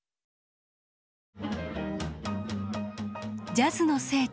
ジャズの聖地